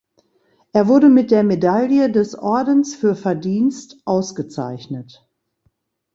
Er wurde mit der Medaille des Ordens Für Verdienst ausgezeichnet.